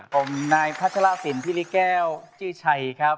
ผมนายพัชรสินพิริแก้วชื่อชัยครับ